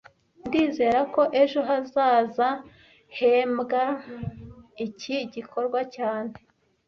Ndizera ko ejo hazazahembwa iki gikorwa cyane